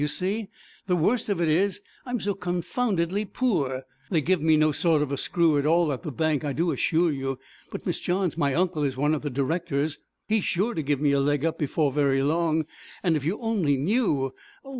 You see, the worst of it is, I'm so confoundedly poor; they give me no sort of a screw at all at the bank, I do assure you. But, Miss Johns, my uncle is one of the directors; he's sure to give me a leg up before very long, and if you only knew oh!